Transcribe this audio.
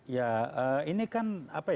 ya ini kan